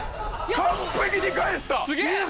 完璧に返した！